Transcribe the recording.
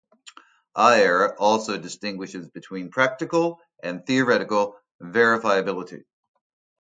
Ayer also distinguishes between practical and theoretical verifiability.